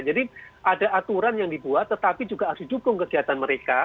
jadi ada aturan yang dibuat tetapi juga harus di dukung kegiatan mereka